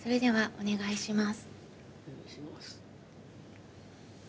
お願いします。